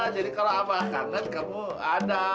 jadi kalau bapak kangen kamu ada